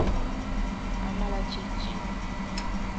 Amala kye ki?